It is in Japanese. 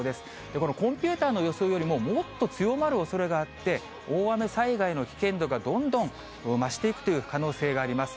このコンピューターの予想よりも、もっと強まるおそれがあって、大雨災害の危険度がどんどん増していくという可能性があります。